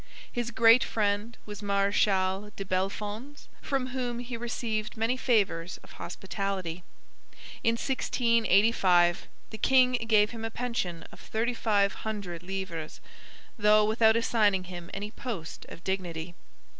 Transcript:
His great friend was the Marechal de Bellefonds, from whom he received many favours of hospitality. In 1685 the king gave him a pension of thirty five hundred livres, though without assigning him any post of dignity.